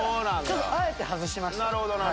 あえて外しました。